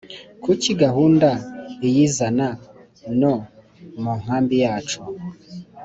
ku isi gahunda iyizana no munkambi yacu.